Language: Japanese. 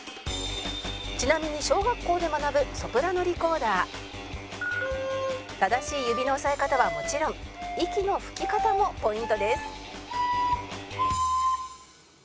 ちなみに小学校で学ぶ正しい指の押さえ方はもちろん息の吹き方もポイントです